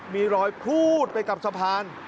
มีรอยพลูดไปกับสะพาน